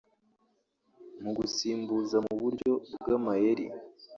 Mu gusimbuza mu buryo bw’amayeri